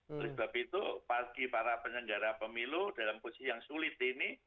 oleh sebab itu bagi para penyelenggara pemilu dalam posisi yang sulit ini